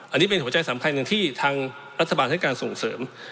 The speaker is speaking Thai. อันนี้เป็นหัวใจสำคัญหนึ่งที่ทางรัฐบาลให้การส่งเสริม